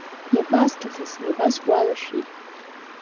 Иабасҭахыз, иабасгәалашәеи!